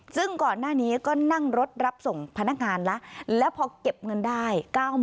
ซึ่งก่อนหน้านี้ก็นั่งรถรับส่งพนักงานแล้วแล้วพอเก็บเงินได้